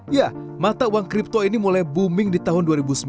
ya mata uang kripto ini mulai booming di tahun dua ribu sembilan belas